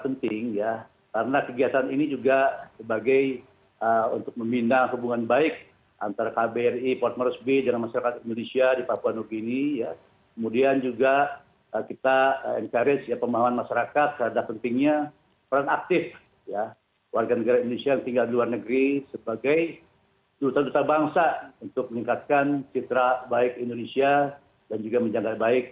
pesta rakyat mengusung hari kemerdekaan di port moresby papua nugini berlangsung khidmat